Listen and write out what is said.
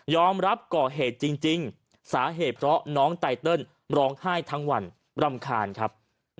รับก่อเหตุจริงสาเหตุเพราะน้องไตเติลร้องไห้ทั้งวันรำคาญครับ